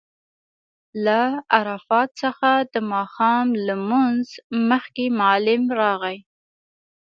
له عرفات څخه د ماښام لمونځ مخکې معلم راغی.